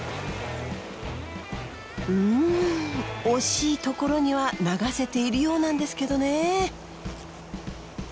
うん惜しいところには流せているようなんですけどね。